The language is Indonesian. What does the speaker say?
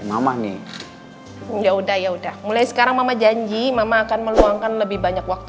mama nih ya udah ya udah mulai sekarang mama janji mama akan meluangkan lebih banyak waktu